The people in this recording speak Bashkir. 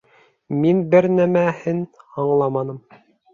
— Мин бер нәмәһен аңламаным.